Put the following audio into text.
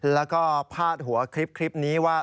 แล้วก็พาดหัวคลิปนี้ว่า